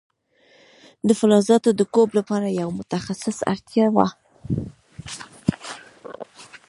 د فلزاتو د کوب لپاره یو متخصص ته اړتیا وه.